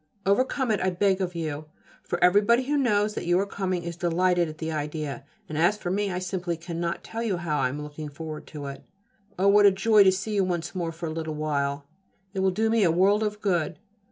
Overcome it, I beg of you, for everybody who knows that you are coming is delighted at the idea, and as for me, I simply cannot tell you how I am looking forward to it. Oh! what a joy to see you once more for a little while. It will do me a world of good.